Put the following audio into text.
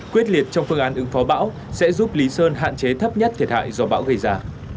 quyết liệt trong phương án ứng phó bão sẽ giúp lý sơn hạn chế thấp nhất thiệt hại do bão gây ra